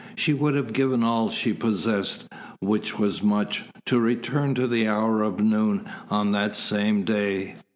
She would have given all she possessed, which was much, to return to the hour of noon on that same day.